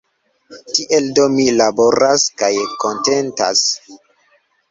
Tiel do mi laboras – kaj kontentas!